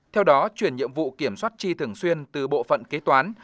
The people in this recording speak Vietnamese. theo đó chuyển nhiệm vụ kiểm soát chi thường xuyên từ bộ phận kế toán